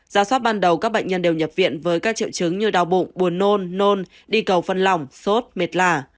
giá soát ban đầu các bệnh nhân đều nhập viện với các triệu chứng như đau bụng buồn nôn nôn đi cầu phân lỏng sốt mệt lạ